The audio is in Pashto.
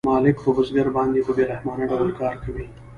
مالک په بزګر باندې په بې رحمانه ډول کار کوي